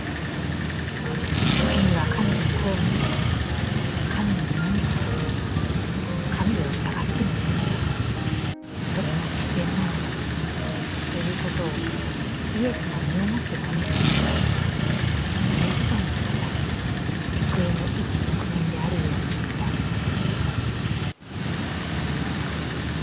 時には神に抗議し、神に文句を言い、神を疑ってもいいのだ、それも自然なのだ、ということをイエスが身をもって示したのであり、それ自体もまた救いの一側面であるように思われます」。